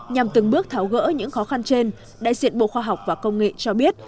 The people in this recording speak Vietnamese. nhằm từng bước tháo gỡ những khó khăn trên đại diện bộ khoa học và công nghệ cho biết